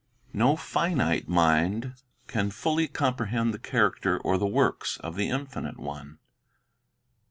A TO finite mind can fully comprehend the character ^* or the works of the Infinite One.